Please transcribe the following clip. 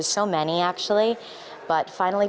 ada banyak sebenarnya